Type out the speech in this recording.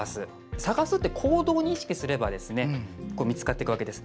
探すって行動に意識をすれば見つかっていくわけです。